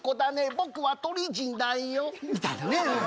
僕は鳥人だよみたいなねうん